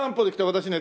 私ね